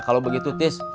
kalo begitu tis